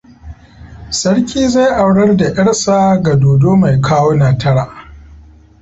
Sarki zai aurar da 'yarsa ga dodo mai kawona tara.